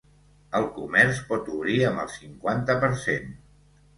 El comerç pot obrir amb el cinquanta per cent.